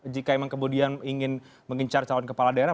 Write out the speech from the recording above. jika memang kemudian ingin mengincar calon kepala daerah